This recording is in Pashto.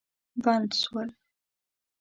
بند سول.